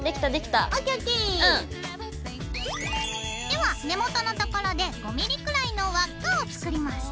では根元の所で５ｍｍくらいの輪っかを作ります。